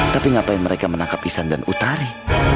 tapi ngapain mereka menangkap isan dan utari